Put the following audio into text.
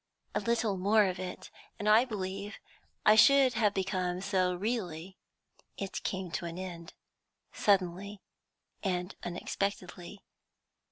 A little more of it and I believe I should have become so really. "It came to an end, suddenly and unexpectedly.